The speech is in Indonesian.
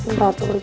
ntar dulu cik